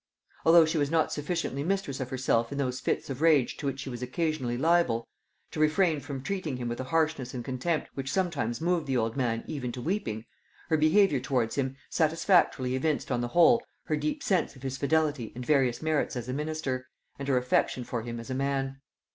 Although she was not sufficiently mistress of herself in those fits of rage to which she was occasionally liable, to refrain from treating him with a harshness and contempt which sometimes moved the old man even to weeping, her behaviour towards him satisfactorily evinced on the whole her deep sense of his fidelity and various merits as a minister, and her affection for him as a man.